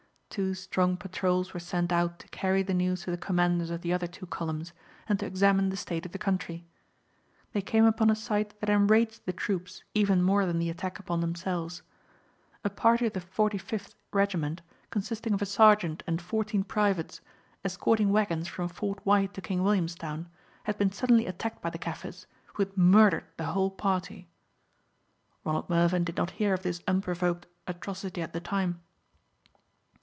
Two strong patrols were sent out to carry the news to the commanders of the other two columns, and to examine the state of the country. They came upon a sight that enraged the troops, even more than the attack upon themselves. A party of the 45th Regiment, consisting of a sergeant and fourteen privates, escorting waggons from Fort White to King Williamstown, had been suddenly attacked by the Kaffirs, who had murdered the whole party. Ronald Mervyn did not hear of this unprovoked atrocity at the time.